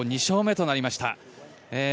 ２勝目となりました。